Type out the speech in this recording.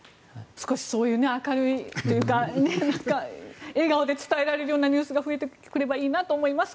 少しそういう明るいというか笑顔で伝えられるようなニュースが増えてくればいいなと思います。